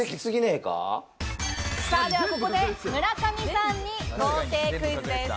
では、ここで村上さんに豪邸クイズです。